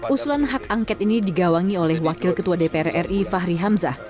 usulan hak angket ini digawangi oleh wakil ketua dpr ri fahri hamzah